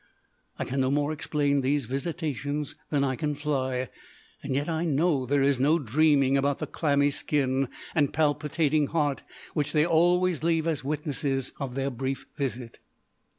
I can no more explain these visitations than I can fly, yet I know there is no dreaming about the clammy skin and palpitating heart which they always leave as witnesses of their brief visit.